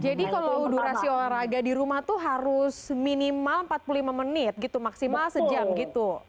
jadi kalau durasi olahraga di rumah tuh harus minimal empat puluh lima menit gitu maksimal sejam gitu